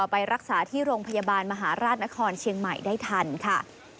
ไปรักษาที่โรงพยาบาลมหาราชนครเชียงใหม่ได้ทันค่ะ